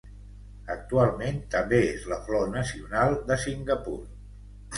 Actualment també és la flor nacional de Singapur.